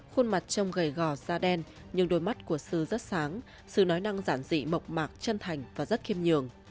khuôn mặt trong gầy gò da đen nhưng đôi mắt của sư rất sáng sự nói năng giản dị mộc mạc chân thành và rất khiêm nhường